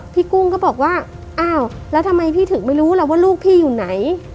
กุ้งก็บอกว่าอ้าวแล้วทำไมพี่ถึงไม่รู้ล่ะว่าลูกพี่อยู่ไหน